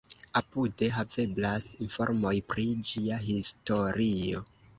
Apude haveblas informoj pri ĝia historio.